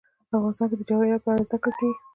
افغانستان کې د جواهرات په اړه زده کړه کېږي.